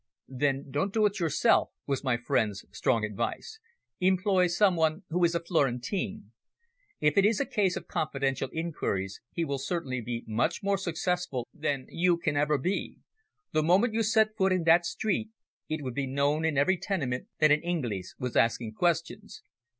"Then don't do it yourself," was my friend's strong advice. "Employ some one who is a Florentine. If it is a case of confidential inquiries, he will certainly be much more successful than you can ever be. The moment you set foot in that street it would be known in every tenement that an Inglese was asking questions.